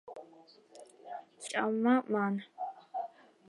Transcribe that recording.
სულ რამდენ ზვიგენს აჭამა მან?